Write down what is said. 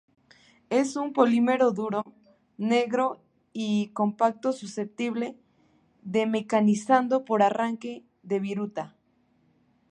Es un polímero duro, negro y compacto susceptible de mecanizado por arranque de viruta.